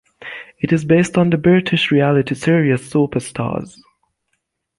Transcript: It is based on the British reality series "Soapstars".